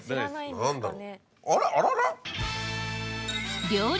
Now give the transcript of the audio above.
何だろう？